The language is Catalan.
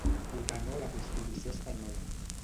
Votà no a la constitució espanyola.